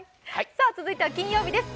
続いては金曜日です。